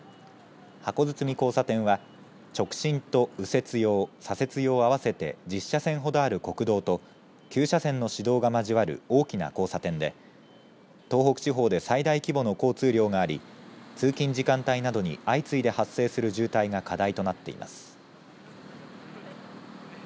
箱堤交差点は直進と右折用左折用合わせて１０車線ほどわれ国道と９車線の市道が交わる大きな交差点で東北地方で最大規模の交通量があり通勤時間帯などに相次いで発生する渋滞が課題となっています。